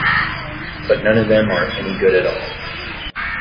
But none of them are any good at all.